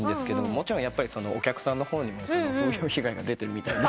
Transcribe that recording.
もちろんお客さんの方にも風評被害が出てるみたいで。